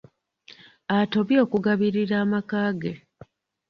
Atobye okugabirira amakaage.